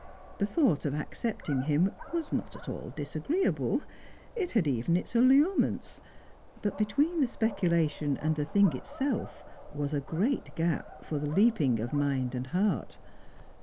The thought of accepting him was not at all disagreeable; it had even its allurements; but between the speculation and the thing itself was a great gap for the leaping of mind and heart.